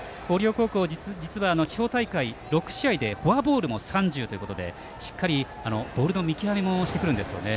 高校実は地方大会６試合でフォアボールも３０ということでしっかりボールの見極めもしてくるんですよね。